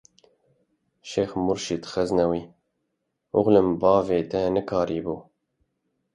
Şêx Murşid Xeznewî: Oxlim bavê te nikaribû!